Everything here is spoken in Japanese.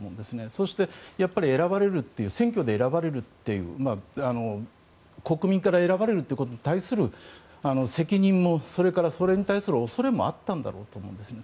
そして選挙で選ばれるという国民から選ばれるということに対する責任も、それからそれに対する恐れもあったんだろうと思うんですね。